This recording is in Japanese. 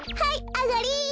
あがり！